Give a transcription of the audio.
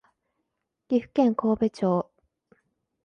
岐阜県神戸町